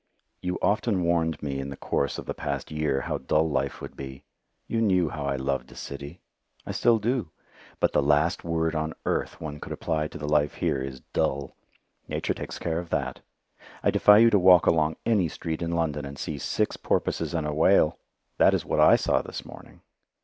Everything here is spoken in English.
You often warned me in the course of the past year how dull life would be. You knew how I loved a city. I still do. But the last word on earth one could apply to the life here is "dull." Nature takes care of that. I defy you to walk along any street in London and see six porpoises and a whale! That is what I saw this morning.